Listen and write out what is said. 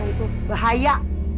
kau itu ada